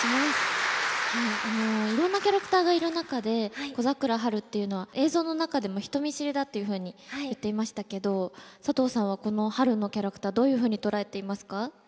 いろんなキャラクターがいる中で小桜ハルっていうのは映像の中でも人見知りだっていうふうに言っていましたけど佐藤さんはこのハルのキャラクターどういうふうに捉えていますか？